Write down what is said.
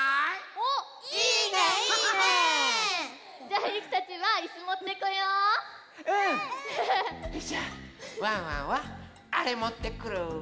じゃあワンワンはあれもってくる。